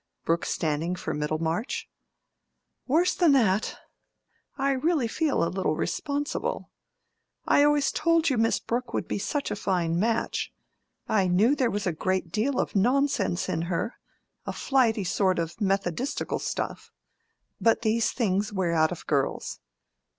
Brooke standing for Middlemarch?" "Worse than that. I really feel a little responsible. I always told you Miss Brooke would be such a fine match. I knew there was a great deal of nonsense in her—a flighty sort of Methodistical stuff. But these things wear out of girls.